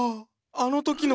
あの時の！